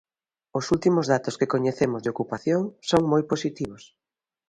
Os últimos datos que coñecemos de ocupación son moi positivos.